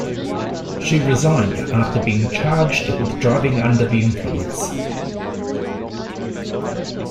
She resigned after being charged with driving under the influence.